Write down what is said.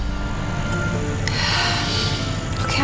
mama mau pergi sekarang al